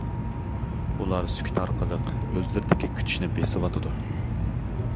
ئۇلار سۈكۈت ئارقىلىق ئۆزلىرىدىكى كۈتۈشنى بېسىۋاتىدۇ.